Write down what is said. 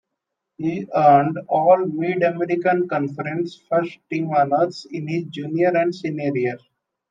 He earned All-Mid-American Conference first-team honors in his junior and senior year.